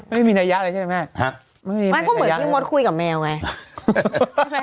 ไม่มีนายาอะไรใช่มาย